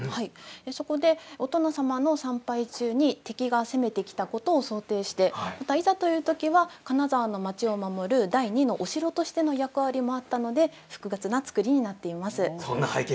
そこでお殿様が参拝中に敵が攻めてきたことを想定していざという時は金沢の町を守る第２のお城としての役割もあったので、複雑な造りになっています。